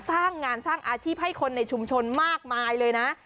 สร้างงานสร้างอาชีพให้คนในชุมชนมากมายเลยนะ